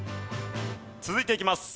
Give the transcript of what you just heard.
続いていきます。